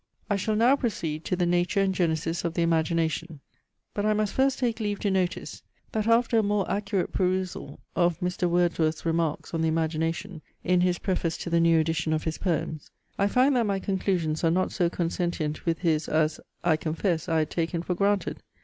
I shall now proceed to the nature and genesis of the Imagination; but I must first take leave to notice, that after a more accurate perusal of Mr. Wordsworth's remarks on the Imagination, in his preface to the new edition of his poems, I find that my conclusions are not so consentient with his as, I confess, I had taken for granted.